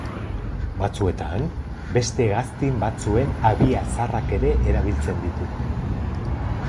Batzuetan, beste hegazti batzuen habia zaharrak ere erabiltzen ditu.